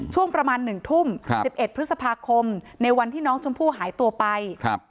ช่วงประมาณ๑ทุ่ม๑๑พฤษภาคมในวันที่น้องชมพู่หายตัวไป